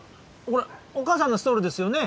これお母さんのストールなんですよね？